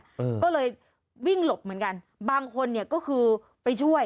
อืมก็เลยวิ่งหลบเหมือนกันบางคนเนี่ยก็คือไปช่วย